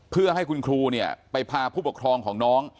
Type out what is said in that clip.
เพื่อให้คุณครูไปพาผู้ปกครองของน้อง